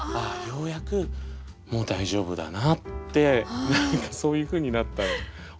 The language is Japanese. ようやくもう大丈夫だなって何かそういうふうになった思い出です。